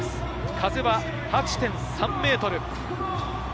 風は８．３メートル。